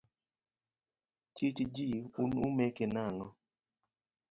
Chich ji, in umeke nang'o?